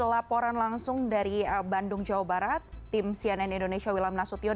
laporan langsung dari bandung jawa barat tim cnn indonesia wilam nasution